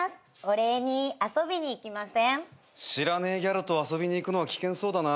知らねえギャルと遊びにいくの危険そうだな。